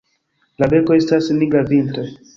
La beko estas nigra vintre.